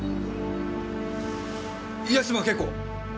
八島景子！